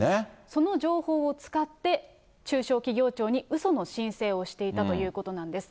その情報を使って、中小企業庁にうその申請をしていたということなんです。